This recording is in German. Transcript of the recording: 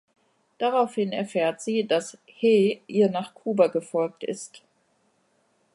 Daraufhin erfährt sie, dass "He" ihr nach Kuba gefolgt ist.